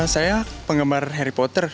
saya penggemar harry potter